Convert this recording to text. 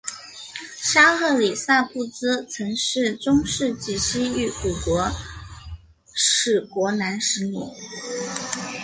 沙赫里萨布兹曾是中世纪西域古国史国南十里。